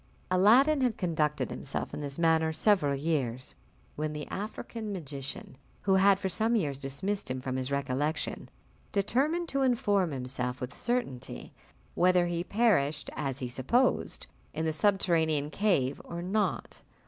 Aladdin had conducted himself in this manner several years, when the African magician, who had for some years dismissed him from his recollection, determined to inform himself with certainty whether he perished, as he supposed, in the subterranean cave or not.